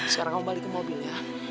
sekarang kamu balik ke mobil ya lila